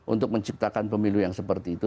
untuk menciptakan pemilu yang seperti itu